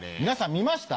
見ました？